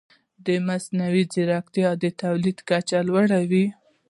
مصنوعي ځیرکتیا د تولید کچه لوړه وي.